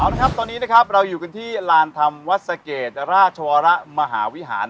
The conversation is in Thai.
เอาละครับตอนนี้นะครับเราอยู่กันที่ลานธรรมวัดสะเกดราชวรมหาวิหาร